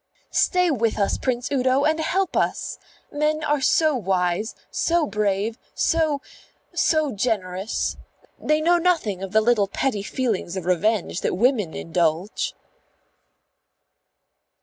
"Stay with us, Prince Udo, and help us! Men are so wise, so brave, so so generous. They know nothing of the little petty feelings of revenge that women indulge."